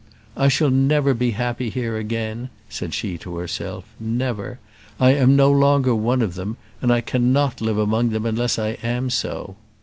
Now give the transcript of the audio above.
"I shall never be happy here again," said she to herself; "never. I am no longer one of them, and I cannot live among them unless I am so."